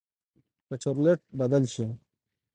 به چورلټ بدل شي.